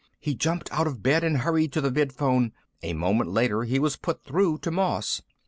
He jumped out of bed and hurried to the vidphone. A moment later he was put through to Moss.